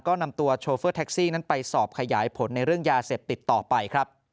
ก็นำตัวโชเฟอร์แท็กซี่นั้นไปสอบขยายผลในเรื่องยาเสพติดต่อไปครับ